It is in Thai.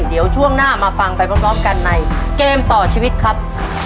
เดี๋ยวช่วงหน้ามาฟังไปพร้อมกันในเกมต่อชีวิตครับ